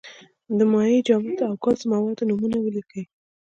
د مایع، جامد او ګاز موادو نومونه ولیکئ.